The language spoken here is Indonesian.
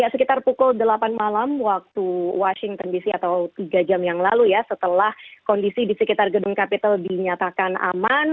sekitar pukul delapan malam waktu washington dc atau tiga jam yang lalu ya setelah kondisi di sekitar gedung kapital dinyatakan aman